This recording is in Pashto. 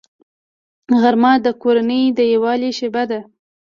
غرمه د کورنۍ د یووالي شیبه ده